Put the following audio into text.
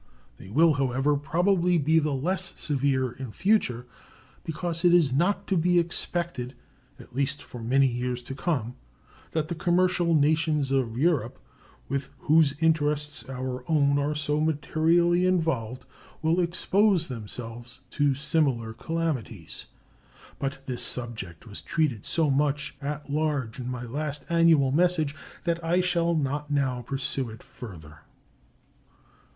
They will, however, probably be the less severe in future, because it is not to be expected, at least for many years to come, that the commercial nations of Europe, with whose interests our own are so materially involved, will expose themselves to similar calamities. But this subject was treated so much at large in my last annual message that I shall not now pursue it further.